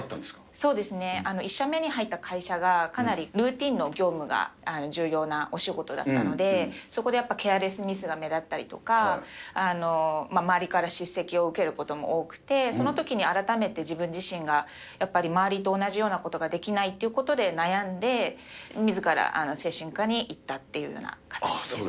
そうですね、１社目に入った会社がかなりルーティンの業務が重要なお仕事だったので、そこでやっぱりケアレスミスが目立ったりとか、周りから叱責を受けることも多くて、そのときに改めて自分自身がやっぱり周りと同じようなことができないということで悩んで、みずから精神科に行ったっていうような形です。